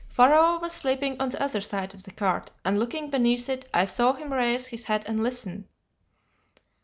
"Pharaoh was sleeping on the other side of the cart, and, looking beneath it, I saw him raise his head and listen.